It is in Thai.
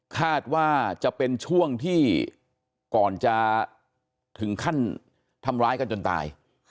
คาดว่าจะเป็นช่วงที่ก่อนจะถึงขั้นทำร้ายกันจนตาย